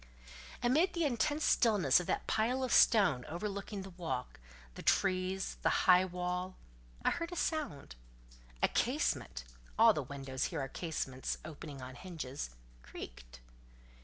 Amid the intense stillness of that pile of stone overlooking the walk, the trees, the high wall, I heard a sound; a casement [all the windows here are casements, opening on hinges] creaked.